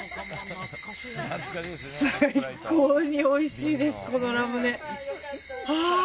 最高においしいです、このラムネ。